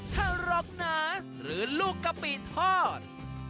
ถ้ารกหนาหรือลูกกะปิทอด